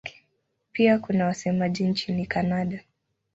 Pia kuna wasemaji nchini Kanada.